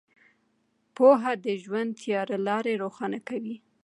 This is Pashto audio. پوهه د ژوند تیاره لارې روښانه کوي.